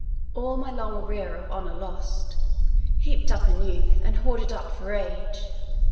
All my long arrear of honour lost, Heap'd up in youth, and hoarded up for age.